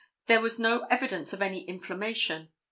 There was no evidence of any inflammation.